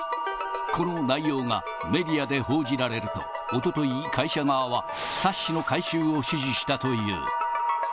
この内容がメディアで報じられると、おととい、会社側は冊子の回収を指示したという。